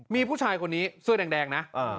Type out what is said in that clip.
มีผู้ชายคนนี้เสื้อแดงนะ